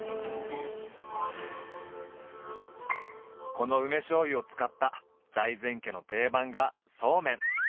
この梅しょうゆを使った財前家の定番がそうめん。